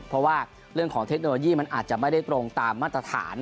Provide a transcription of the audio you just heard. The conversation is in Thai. เพราะว่าเรื่องของเทคโนโลยีมันอาจจะไม่ได้ตรงตามมาตรฐาน